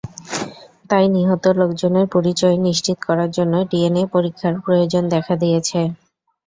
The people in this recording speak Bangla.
তাই নিহত লোকজনের পরিচয় নিশ্চিত করার জন্য ডিএনএ পরীক্ষার প্রয়োজন দেখা দিয়েছে।